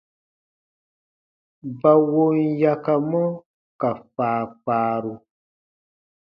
Ba wom yakamɔ ka faafaaru.